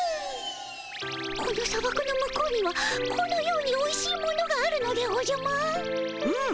この砂漠の向こうにはこのようにおいしいものがあるのでおじゃマーン？